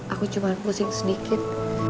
aku cuma pusing sedikit